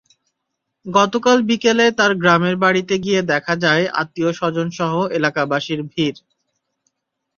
গতকাল বিকেলে তাঁর গ্রামের বাড়িতে গিয়ে দেখা যায় আত্মীয়স্বজনসহ এলাকাবাসীর ভিড়।